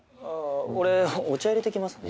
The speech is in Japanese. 俺お茶いれてきますね。